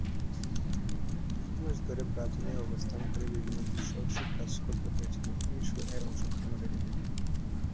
এক মাস ধরে ব্রাজিল এ অবস্থান করে বিভিন্ন দুঃসাহসিক কাজ করতে হয়েছিল এই শো-এর অংশগ্রহণকারীদের।